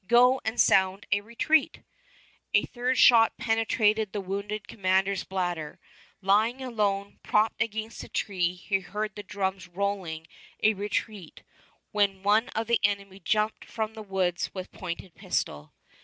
Go and sound a retreat." A third shot penetrated the wounded commander's bladder. Lying alone, propped against a tree, he heard the drums rolling a retreat, when one of the enemy jumped from the woods with pointed pistol.